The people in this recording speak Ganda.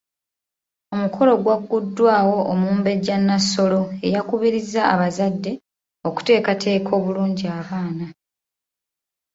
Omukolo gwagguddwawo Omumbejja Nassolo eyakubirizza abazadde okuteekateeka obulungi abaana.